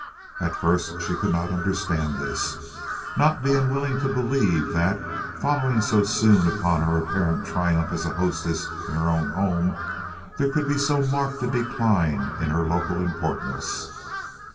At first she could not understand this, not being willing to believe that, following so soon upon her apparent triumph as a hostess in her own home, there could be so marked a decline in her local importance.